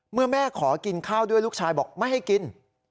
แม่ขอกินข้าวด้วยลูกชายบอกไม่ให้กิน